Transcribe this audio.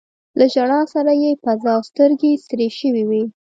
له ژړا سره يې پزه او سترګې سرې شوي وې.